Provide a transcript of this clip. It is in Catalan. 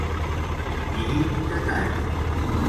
Qui miri que calli.